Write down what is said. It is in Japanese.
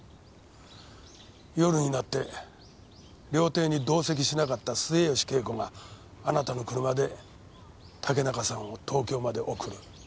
夜になって料亭に同席しなかった末吉恵子があなたの車で竹中さんを東京まで送る。